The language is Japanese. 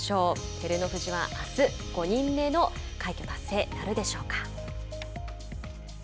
照ノ富士は、あす５人目の快挙達成なるでしょうか。